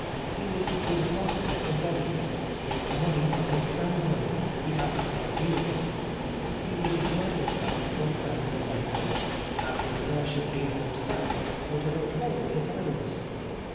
He was goodheartedness embodied. His money was his friends' money, he had no heed of it, He would exert himself for a friend in a way which, had the exertion been for himself, would have appalled his idleness.